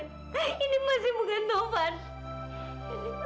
ini pasti bukan taufan